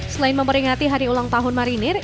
selain memperingati hari ulang tahun marinir